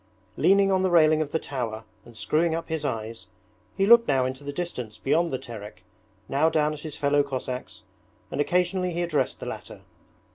Leaning on the railing of the tower and screwing up his eyes, he looked now far into the distance beyond the Terek, now down at his fellow Cossacks, and occasionally he addressed the latter.